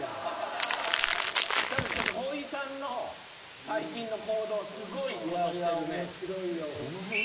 ただちょっとほいさんの最近の行動すごいことしてるね。